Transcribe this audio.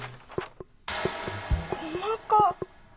細かっ。